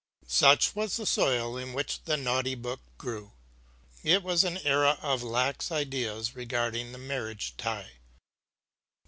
Such was the soil in which the naughty book grew. It was an era of lax ideas regarding the marriage tie.